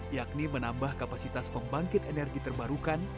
yakni menambah kapasitas pembangkit energi terbarukan